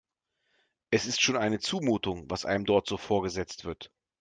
Es ist schon eine Zumutung, was einem dort so vorgesetzt wird.